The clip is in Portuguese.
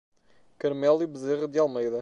Carmelio Bezerra de Almeida